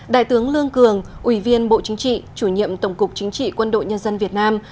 đại tướng lương cường ủy viên bộ chính trị chủ nhiệm tổng cục chính trị quân đội nhân dân việt nam